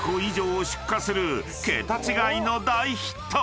［桁違いの大ヒット！］